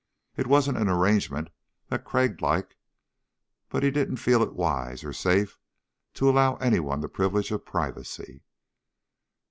It wasn't an arrangement that Crag liked but he didn't feel it wise, or safe, to allow anyone the privilege of privacy.